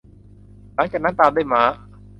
หลังจากนั้นตามด้วยม้า